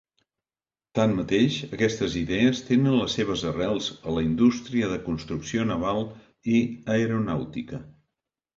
Tanmateix, aquestes idees tenen les seves arrels a la indústria de construcció naval i aeronàutica.